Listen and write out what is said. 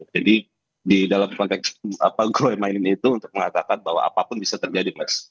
jadi di dalam konteks apa gue mainin itu untuk mengatakan bahwa apapun bisa terjadi mas